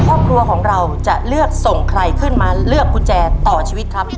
ครอบครัวของเราจะเลือกส่งใครขึ้นมาเลือกกุญแจต่อชีวิตครับ